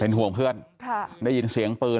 ห่วงเพื่อนได้ยินเสียงปืน